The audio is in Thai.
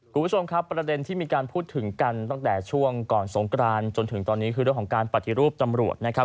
คุณผู้ชมครับประเด็นที่มีการพูดถึงกันตั้งแต่ช่วงก่อนสงกรานจนถึงตอนนี้คือเรื่องของการปฏิรูปตำรวจนะครับ